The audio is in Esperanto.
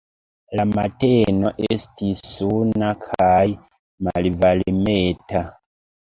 La mateno estis suna kaj malvarmeta.